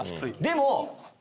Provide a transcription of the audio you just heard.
でも。